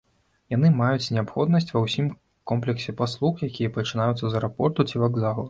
Яны маюць неабходнасць ва ўсім комплексе паслуг, якія пачынаюцца з аэрапорту ці вакзалу.